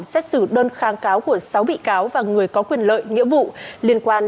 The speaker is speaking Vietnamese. xét xử đơn kháng cáo của sáu bị cáo và người có quyền lợi nghĩa vụ liên quan